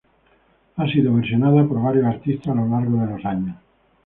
Ha sido versionada por varios artistas a lo largo de los años.